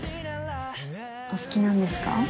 お好きなんですか？